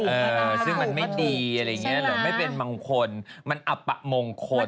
เออซึ่งมันไม่ดีอะไรอย่างนี้เหรอไม่เป็นมงคลมันอับประมงคล